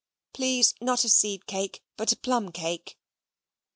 Please not a seed cake, but a plum cake.